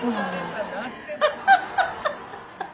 ハハハハハ